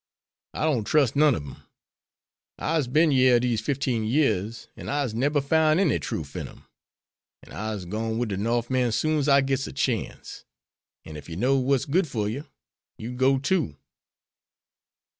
I don't trust none ob dem. I'se been yere dese fifteen years, an' I'se neber foun' any troof in dem. An' I'se gwine wid dem North men soon's I gits a chance. An' ef you knowed what's good fer you, you'd go, too."